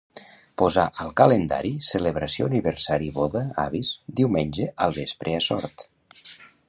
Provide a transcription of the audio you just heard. Posar al calendari celebració aniversari boda avis diumenge al vespre a Sort.